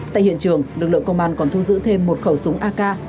tại hiện trường lực lượng công an còn thu giữ thêm một khẩu súng ak